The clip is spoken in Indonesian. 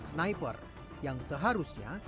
sniper yang seharusnya